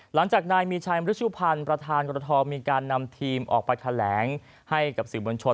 หลังจากนายมีชัยมริชุพันธ์ประธานกรทมีการนำทีมออกไปแถลงให้กับสื่อมวลชน